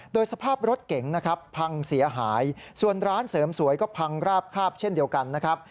โดยสภาพรถเก๋งนะครับพังเสียหายส่วนร้านเสริมสวยก็พังราบคาบเช่นเดียวกันนะครับ